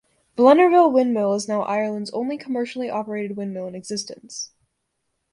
Blennerville Windmill is now Ireland's only commercially operated windmill in existence.